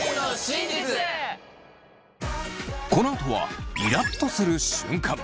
このあとはイラっとする瞬間。